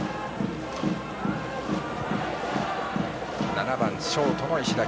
７番ショートの石田